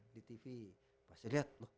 di tv saya lihat